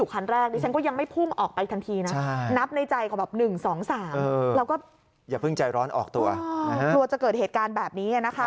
คุณผู้ชม